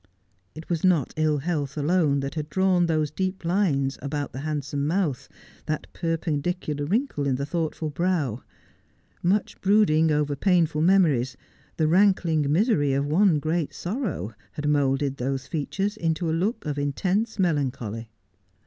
It was not ill health alone that had drawn those deep lines about the hand some mouth, that perpendicular wrinkle in the thoughtful brow. Much brooding over painful memories, the rankling misery of one great sorrow, had moulded those features into a look of intense melancholy.